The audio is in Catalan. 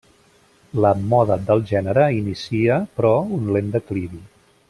La moda del gènere inicia, però, un lent declivi.